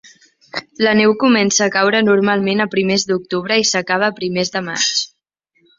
La neu comença a caure normalment a primers d'octubre i s'acaba a primers de maig.